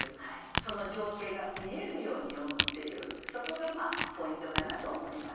その情景が見えるように詠むっていうそこがポイントかなと思います。